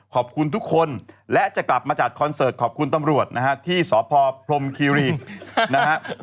ขอบคุณทุกคนและจะกลับมาจัดคอนเสิร์ตขอบคุณตำรวจนะฮะที่สพพรมคีรีนะฮะ